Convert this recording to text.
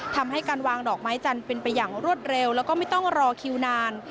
ทำให้การวางดอกไม้จันทร์เป็นไปอย่างรวดเร็วแล้วก็ไม่ต้องรอคิวนาน